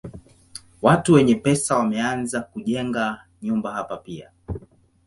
Watu wenye pesa wameanza kujenga nyumba hapa pia.